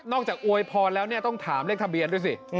นอกจากอวยพอแล้วต้องถามเลขทะเบียนด้วยสิ